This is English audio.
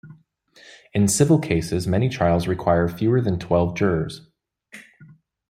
In civil cases many trials require fewer than twelve jurors.